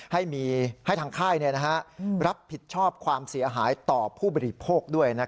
ให้ทางค่ายรับผิดชอบความเสียหายต่อผู้บริโภคด้วย